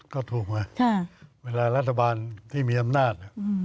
ก็ถูกไงเวลารัฐบาลที่มีอำนาจ